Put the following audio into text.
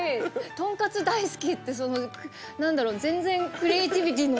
「とんかつ大好き」ってそのなんだろう全然。